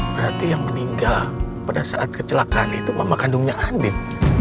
berarti yang meninggal pada saat kecelakaan itu mama kandungnya andin